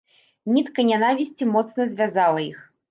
Нітка нянавісці моцна звязала іх.